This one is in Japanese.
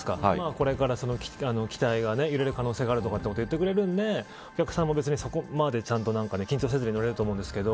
これから機体が揺れる可能性があるとか言ってくれるのでお客さんもそこまで緊張せずに乗れると思います。